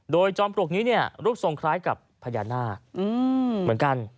โดยจอมปลวกนี้เนี่ยรูปทรงคล้ายกับพญานาคเหมือนกัน